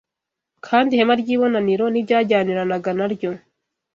kandi ihema ry’ibonaniro n’ibyajyaniranaga naryo